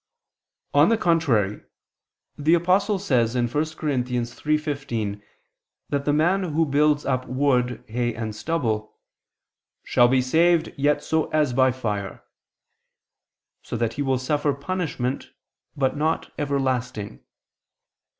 On the contrary, The Apostle says (1 Cor. 3:15) that the man who builds up wood, hay and stubble, "shall be saved yet so as by fire," so that he will suffer punishment, but not everlasting.